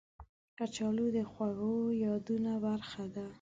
کچالو د خوږو یادونو برخه ده